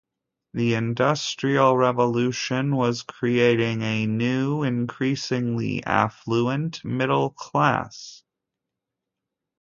The Industrial Revolution was creating a new, increasingly affluent middle class.